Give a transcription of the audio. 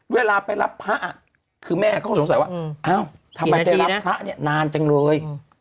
เวลาไปรับพระคือแม่ก็สงสัยว่าทำไมไปรับพระนานจังเลย